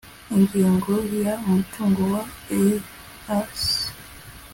ingingo ya umutungo wa eac